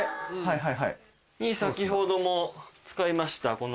先ほども使いましたこの。